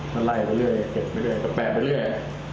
ก็ไล่ไปร่วมก็แปะไปร่วม